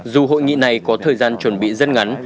dù hội nghị này có thời gian chuẩn bị rất ngắn